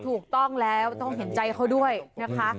ถูกต้องแล้วต้องเห็นใจเขาด้วยนะคะ